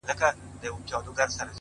o ستا دپښو سپين پايزيبونه زما بدن خوري،